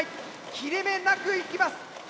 切れ目なくいきます。